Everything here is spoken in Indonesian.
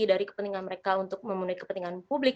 dari kepentingan mereka untuk memenuhi kepentingan publik